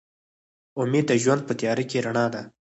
امید د ژوند په تیاره کې رڼا ده.